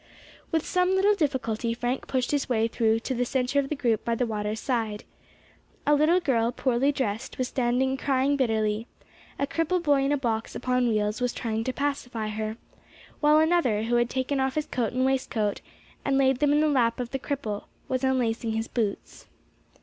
With some little difficulty Frank pushed his way through to the centre of the group by the water's side. A little girl, poorly dressed, was standing crying bitterly; a cripple boy in a box upon wheels was trying to pacify her, while another who had taken off his coat and waistcoat, and laid them in the lap of the cripple, was unlacing his boots.